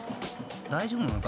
［大丈夫なのか？